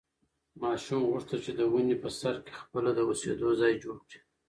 ماشوم غوښتل چې د ونې په سر کې خپله د اوسېدو ځای جوړ کړي.